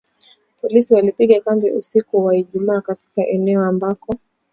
Polisi walipiga kambi usiku wa Ijumaa katika eneo ambako